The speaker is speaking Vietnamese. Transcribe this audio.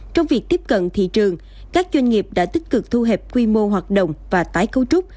trong việc tiếp cận thị trường các doanh nghiệp đã tích cực thu hẹp quy mô hoạt động và tái cấu trúc